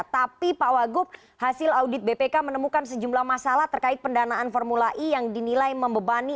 tapi pak wagub hasil audit bpk menemukan sejumlah masalah terkait pendanaan formula e yang dinilai membebani